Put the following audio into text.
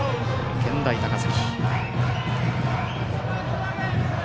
健大高崎。